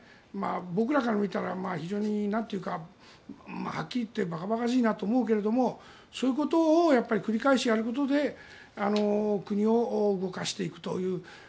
僕らから見たら非常に、なんというかはっきりいって馬鹿馬鹿しいと思うけれどそういうことを繰り返しやることで国を動かしていくという。